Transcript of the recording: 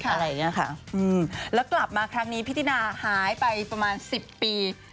อะไรอย่างนี้ค่ะแล้วกลับมาครั้งนี้พี่ตินาหายไปประมาณสิบปี